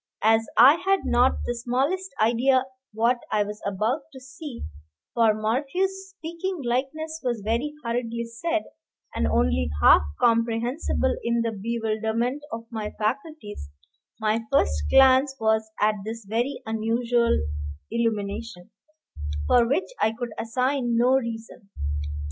As I had not the smallest idea what I was about to see, for Morphew's "speaking likeness" was very hurriedly said, and only half comprehensible in the bewilderment of my faculties, my first glance was at this very unusual illumination, for which I could assign no reason.